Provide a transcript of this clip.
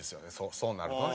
そうなるとね。